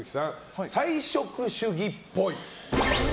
菜食主義っぽい。